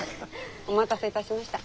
お待たせいたしました。